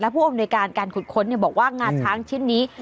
ผู้อำนวยการการขุดค้นบอกว่างาช้างชิ้นนี้